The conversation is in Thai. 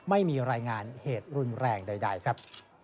ไม่มีรายงานเหตุรุนแรงใดครับ